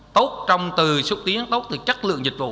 tốt trong từ xúc tiến tốt từ chất lượng dịch vụ